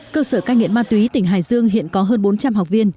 cơ sở cai nghiện ma túy tỉnh hải dương hiện có hơn bốn trăm linh học viên